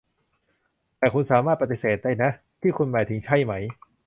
แต่คุณสามารถปฏิเสธได้นะ ที่คุณหมายถึง ใช่ไหม